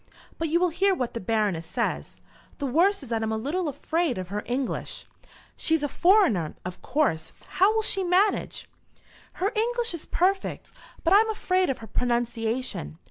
But you will hear what the Baroness says. The worst is that I am a little afraid of her English." "She's a foreigner, of course. How will she manage?" "Her English is perfect, but I am afraid of her pronunciation.